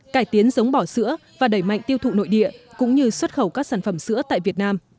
cải tiến giống bỏ sữa và đẩy mạnh tiêu thụ nội địa cũng như xuất khẩu các sản phẩm sữa tại việt nam